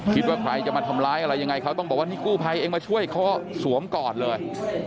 คิดว่าใครจะมาทำร้ายอะไรยังไงเขาต้องบอกว่านี่กู้ภัยเองมาช่วยเขาสวมก่อนเลย